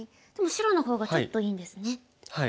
でも白の方がちょっといいんですね。